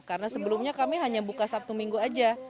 karena sebelumnya kami hanya buka satu minggu aja